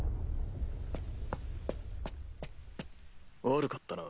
悪かったな。